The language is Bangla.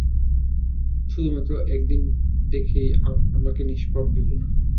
শুধুমাত্র একদিন দেখেই আমাকে নিষ্পাপ ভেবো না।